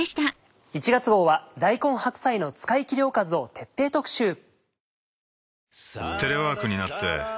１月号は大根・白菜の使い切りおかずを徹底特集。